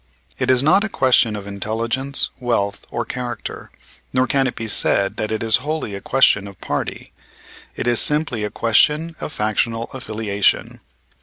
It is not a question of intelligence, wealth or character, nor can it be said that it is wholly a question of party. It is simply a question of factional affiliation.